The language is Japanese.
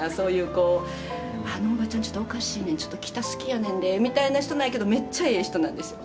こう「あのおばちゃんちょっとおかしいねんちょっと北好きやねんで」みたいな人なんやけどめっちゃええ人なんですよ。